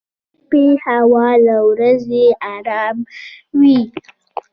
• د شپې هوا له ورځې ارام وي.